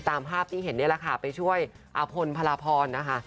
ตามภาพที่เห็นนี่แหละค่ะไปช่วยอาพลพระราพรนะคะ